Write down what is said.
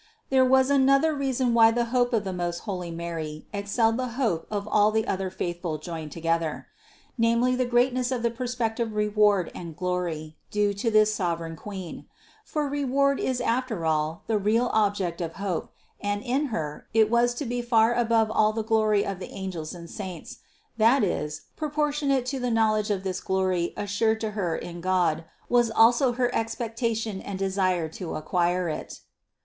509. There was another reason why the hope of the most holy Mary excelled the hope of all the other faith ful joined together: namely the greatness of the pros pective reward and glory due to this sovereign Queen, for reward is after all the real object of hope and in Her it was to be far above all the glory of the angels and saints; that is, proportionate to the knowledge of this glory assured to Her in God was also her expectation and desire to acquire it.